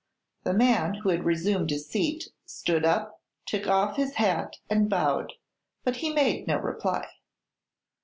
The man, who had resumed his seat, stood up, took off his hat and bowed. But he made no reply.